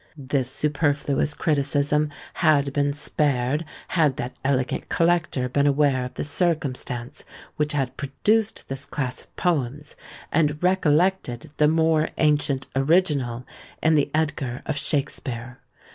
This superfluous criticism had been spared had that elegant collector been aware of the circumstance which had produced this class of poems, and recollected the more ancient original in the Edgar of Shakspeare.